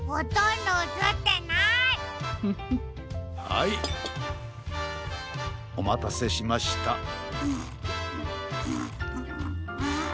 はいおまたせしました。んんん。